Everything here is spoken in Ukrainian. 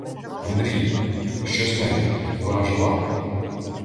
— Андрію! Що з нею? Вона жива?